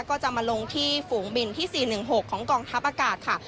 ก็จะมาลงที่ฝูงบินที่๔๑๖ของกองทัพอากาศค่ะ